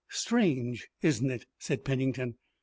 "Strange, isn't it?" said Pennington.